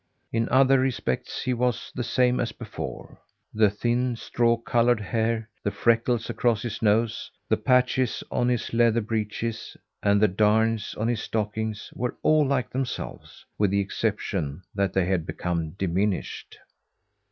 In other respects, he was the same as before. The thin, straw coloured hair; the freckles across his nose; the patches on his leather breeches and the darns on his stockings, were all like themselves, with this exception that they had become diminished.